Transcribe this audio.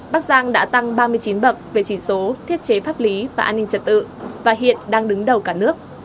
bắc giang đã tăng ba mươi chín bậc về chỉ số thiết chế pháp lý và an ninh trật tự và hiện đang đứng đầu cả nước